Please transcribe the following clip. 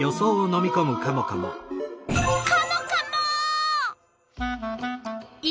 カモカモッ！